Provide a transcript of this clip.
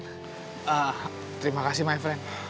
terima kasih my friend